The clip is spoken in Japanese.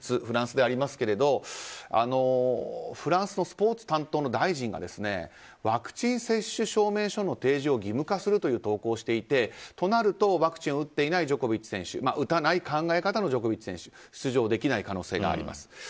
フランスでありますけどもフランスのスポーツ担当大臣がワクチン接種証明書の提示を義務化するという投稿をしていてとなるとワクチンを打っていないジョコビッチ選手打たない考え方のジョコビッチ選手は出場できない可能性があります。